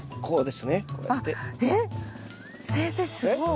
すごい。